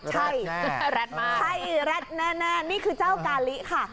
แรดแน่แรดมากแรดแน่นี่คือเจ้ากาลิค่ะ